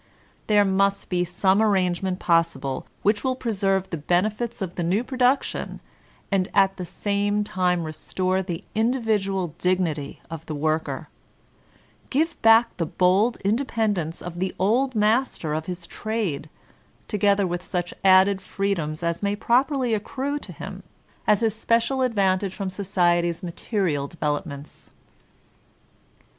There must be some arrangement possible which will preserve the benefits of the new production and at the same time re store the individual dignity of the worker, — give back the bold independence of the old master of his trade, together with such added freedoms as may properly accrue to him as his special advantage from society's material developments.